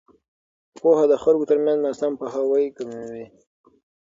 پوهه د خلکو ترمنځ ناسم پوهاوی کموي.